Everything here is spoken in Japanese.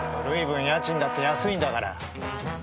古い分家賃だって安いんだから。